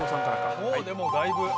もうでもだいぶ。